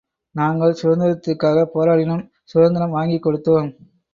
நாங்கள் சுதந்திரத்துக்காகப் போராடினோம், சுதந்திரம் வாங்கிக் கொடுத்தோம்.